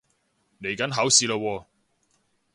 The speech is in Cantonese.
嚟緊考試喇喎